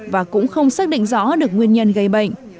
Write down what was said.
và cũng không xác định rõ được nguyên nhân gây bệnh